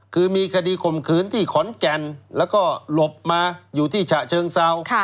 คือมีคดีข่มขืนที่ขอนแก่นแล้วก็หลบมาอยู่ที่ฉะเชิงเซา